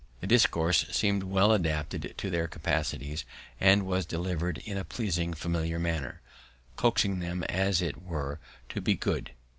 The discourse seem'd well adapted to their capacities, and was delivered in a pleasing, familiar manner, coaxing them, as it were, to be good.